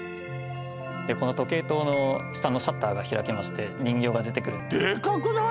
この時計塔の下のシャッターが開きまして人形が出てくるデカくない？